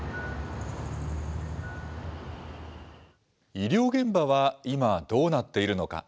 医療現場は今、どうなっているのか。